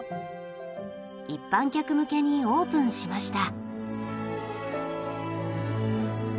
一般客向けにオープンしました。